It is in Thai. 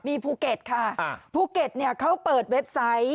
มีภูเก็ตค่ะภูเก็ตเนี่ยเขาเปิดเว็บไซต์